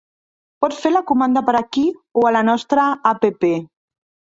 Pot fer la comanda per aquí, o a la nostra app.